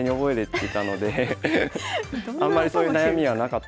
あんまりそういう悩みはなかったんですけど。